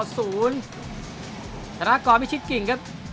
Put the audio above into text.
ศาลากรไม่ชิดกิ่งครับ